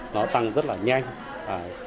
nó tăng rất là nhanh